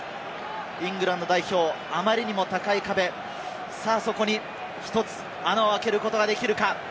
イングランド代表、あまりにも高い壁、そこに１つ穴を開けることができるか。